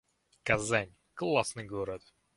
Казань — классный город